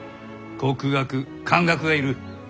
国学漢学がいる。